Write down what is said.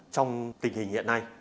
trong tình hình hiện nay